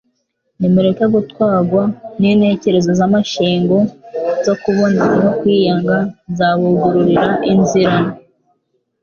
Nimureke gutwarwa n'intekerezo z'amashyengo zo kubonera no kwiyanga nzabugururira inzira."